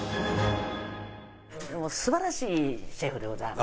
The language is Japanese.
素晴らしいシェフでございます。